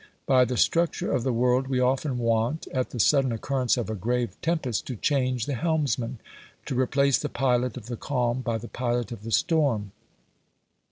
By the structure of the world we often want, at the sudden occurrence of a grave tempest, to change the helmsman to replace the pilot of the calm by the pilot of the storm.